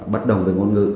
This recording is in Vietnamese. bất đồng với ngôn ngữ